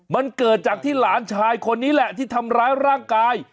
มันเกิดจากที่หลานชายคนนี้แหละที่ทำร้ายร่างกาย